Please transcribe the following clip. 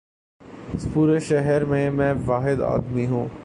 اس پورے شہر میں، میں واحد آدمی ہوں۔